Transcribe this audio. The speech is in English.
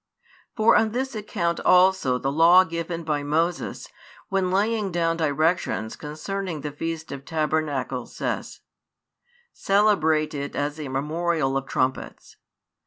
For on this account also the Law given by Moses, when laying down directions concerning the feast of Tabernacles, says: Celebrate it as a memorial of trumpets.